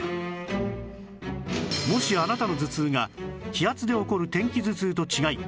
もしあなたの頭痛が気圧で起こる天気頭痛と違い